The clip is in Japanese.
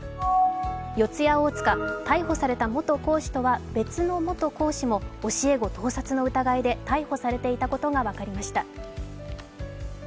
四谷大塚、逮捕された元講師とは別の元講師も教え子盗撮の疑いで逮捕されていたことが分かりました。